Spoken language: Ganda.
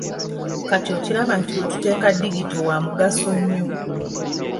Kati okiraba nti wetuteeka digito wa mugaso nnyo